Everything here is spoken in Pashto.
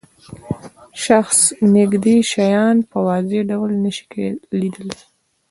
شخص نږدې شیان په واضح ډول نشي لیدلای.